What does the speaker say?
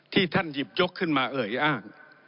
ที่ท่านหยิบยกขึ้นมาเอ่ยอ้าง